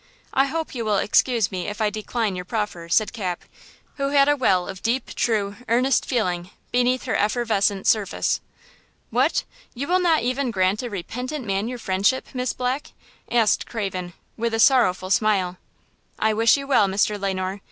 I hope you will excuse me if I decline your proffer," said Cap, who had a well of deep, true, earnest feeling beneath her effervescent surface. "What! you will not even grant a repentant man your friendship, Miss Black?" asked Craven, with a sorrowful smile. "I wish you well, Mr. Le Noir.